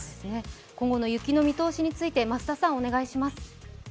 今後の雪の見通しについて増田さん、お願いします。